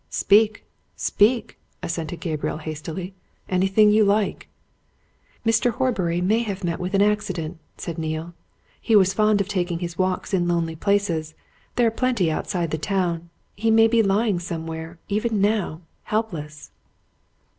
"Speak speak!" assented Gabriel hastily. "Anything you like!" "Mr. Horbury may have met with an accident," said Neale. "He was fond of taking his walks in lonely places there are plenty outside the town. He may be lying somewhere even now helpless."